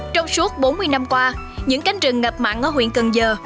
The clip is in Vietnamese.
trong suốt bốn mươi năm qua những cánh rừng ngập mặn ở huyện cần giờ